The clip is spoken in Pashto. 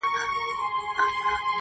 وحشت د انسان دننه پټ دی